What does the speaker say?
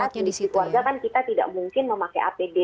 karena di keluarga kan kita tidak mungkin memakai apd